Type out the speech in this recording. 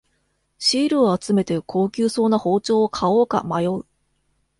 シールを集めて高級そうな包丁を買おうか迷う